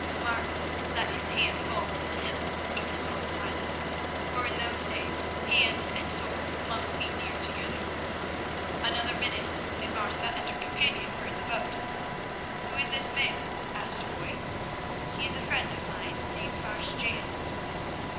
Martin let his hand fall from the hilt of the sword Silence, for in those days hand and sword must be near together. Another minute and Martha and her companion were in the boat. "Who is this man?" asked Foy. "He is a friend of mine named Marsh Jan."